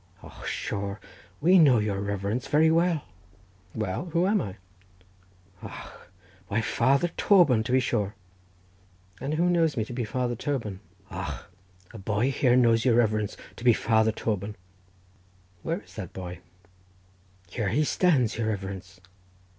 "Och sure, we knows your reverence very well." "Well, who am I?" "Och, why Father Toban, to be sure." "And who knows me to be Father Toban?" "Och, a boy here knows your reverence to be Father Toban." "Where is that boy?" "Here he stands, your reverence."